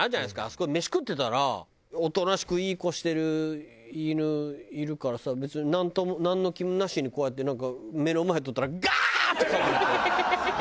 あそこでメシ食ってたらおとなしくいい子してる犬いるからさ別になんの気もなしにこうやってなんか目の前通ったらガーッ！ってかまれて。